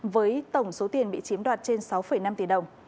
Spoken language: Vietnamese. với tổng số tiền bị chiếm đoạt trên sáu năm tỷ đồng